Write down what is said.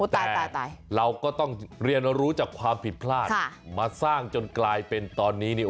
แต่เราก็ต้องเรียนรู้จากความผิดพลาดมาสร้างจนกลายเป็นตอนนี้เนี่ย